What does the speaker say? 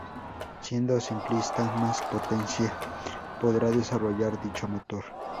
Siendo simplista más potencia podrá desarrollar dicho motor.